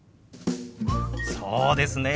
そうですね。